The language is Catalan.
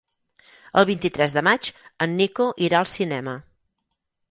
El vint-i-tres de maig en Nico irà al cinema.